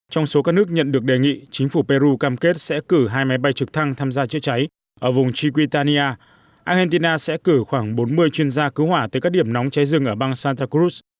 trong số các nước nhận được đề nghị chính phủ peru cam kết sẽ cử hai máy bay trực thăng tham gia chữa cháy ở vùng chiquitania argentina sẽ cử khoảng bốn mươi chuyên gia cứu hỏa tới các điểm nóng cháy rừng ở bang santa cruz